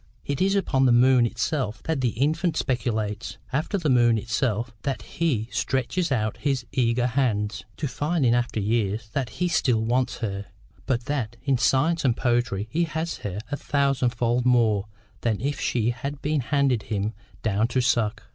It is upon the moon itself that the infant speculates, after the moon itself—that he stretches out his eager hands—to find in after years that he still wants her, but that in science and poetry he has her a thousand fold more than if she had been handed him down to suck.